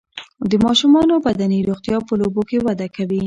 د ماشومانو بدني روغتیا په لوبو کې وده کوي.